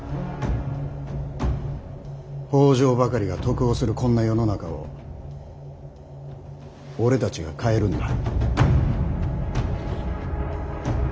北条ばかりが得をするこんな世の中を俺たちが変えるんだ。